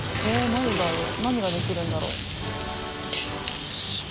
何だろう何ができるんだろう？